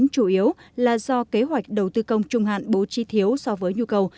chủ yếu là do kế hoạch đầu tư công trung hạn bố chi thiếu so với nhu cầu